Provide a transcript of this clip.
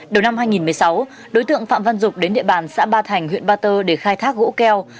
đầu năm hai nghìn một mươi sáu đối tượng phạm văn dục đến địa bàn xã ba thành huyện ba tơ để khai thác gỗ keo